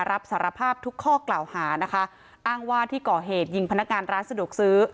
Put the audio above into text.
รับสารภาพทุกข้อกล่าวหานะคะอ้างว่าที่ก่อเหตุยิงพนักงานร้านสะดวกซื้อ